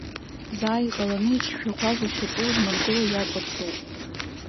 Заа иҟаланы иҿшәақәаз ушьапы узмыргыло иаҵаԥсоуп.